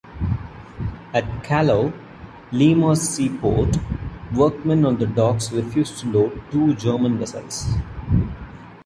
At Callao, Lima's seaport, workmen on the docks refused to load two German vessels.